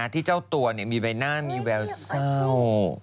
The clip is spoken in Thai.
ที่เจ้าตัวเนี่ยมีแบบหน้ามีแววเศร้า